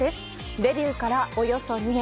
デビューからおよそ２年。